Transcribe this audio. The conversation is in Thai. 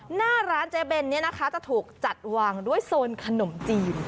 หน้าร้านเจเบนเนี่ยนะคะจะถูกจัดวางด้วยโซนขนมจีน